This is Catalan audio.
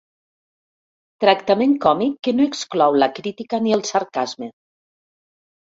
Tractament còmic que no exclou la crítica ni el sarcasme.